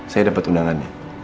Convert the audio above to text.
saya dapet undangannya